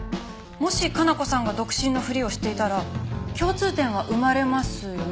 もし加奈子さんが独身のふりをしていたら共通点は生まれますよね？